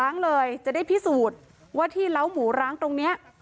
เลยจะได้พิสูจน์ว่าที่เล้าหมูร้างตรงนี้